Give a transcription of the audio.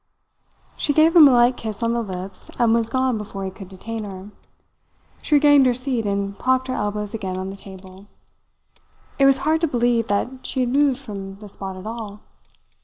She gave him a light kiss on the lips and was gone before he could detain her. She regained her seat and propped her elbows again on the table. It was hard to believe that she had moved from the spot at all.